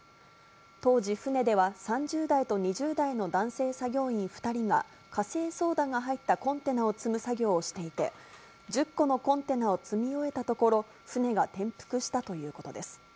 当時、船では３０代と２０代の男性作業員２人が、カセイソーダが入ったコンテナを積む作業をしていて、１０個のコンテナを積み終えたところ、船が転覆したということです。